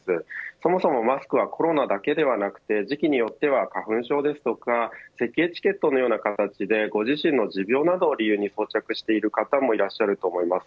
そもそもマスクはコロナだけではなくて時期によっては花粉症ですとか咳エチケットのような形でご自身の持病などを理由に装着している方もいらっしゃると思います。